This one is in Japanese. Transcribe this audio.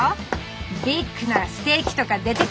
ビッグなステーキとか出てくるのかな？